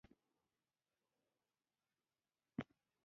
ښه مفکوره نه وي.